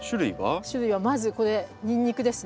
種類はまずこれニンニクですね。